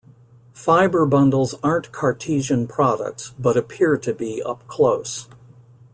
Fibre bundles aren't cartesian products, but appear to be up close.